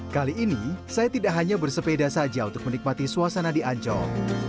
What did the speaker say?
kali ini saya tidak hanya bersepeda saja untuk menikmati suasana di ancol